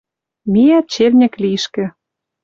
Миӓт чельньӹк лишкӹ.